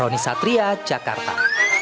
roni satria jakarta